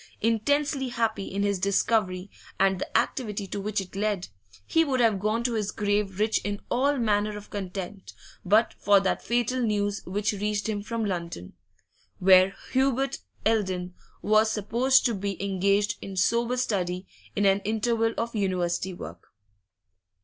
Intensely happy in his discovery and the activity to which it led, he would have gone to his grave rich in all manner of content but for that fatal news which reached him from London, where Hubert Eldon was sup posed to be engaged in sober study in an interval of University work.